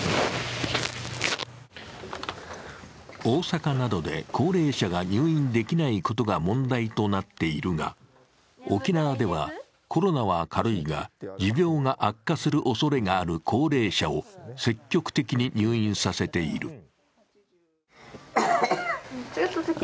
大阪などで高齢者が入院できないことが問題となっているが沖縄では、コロナは軽いが持病が悪化するおそれがある高齢者を積極的に入院させている。